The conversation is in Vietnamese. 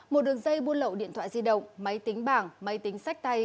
một đường dây buôn lậu điện thoại di động máy tính bảng máy tính sách tay